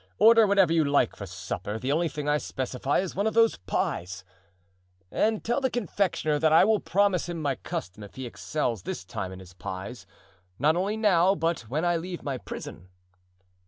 Order whatever you like for supper—the only thing I specify is one of those pies; and tell the confectioner that I will promise him my custom if he excels this time in his pies—not only now, but when I leave my prison."